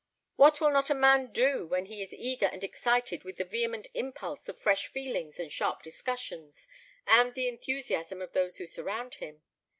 What will not a man do when he is eager and excited with the vehement impulse of fresh feelings and sharp discussions, and the enthusiasm of those who surround him?